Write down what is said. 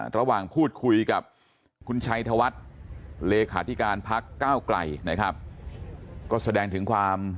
ระหว่างพูดคุยกับคุณชัยธวัฒน์เลขาธิการพักก้าวไกลนะครับก็แสดงถึงความ